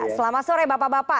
selamat sore mbak nana